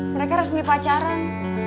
mereka resmi pacaran